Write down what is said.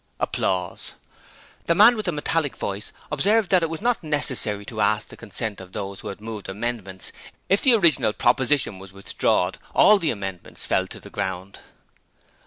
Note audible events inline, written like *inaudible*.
*applause* The man with the metallic voice observed that it was not necessary to ask the consent of those who had moved amendments: if the original proposition was withdrawed, all the amendments fell to the ground.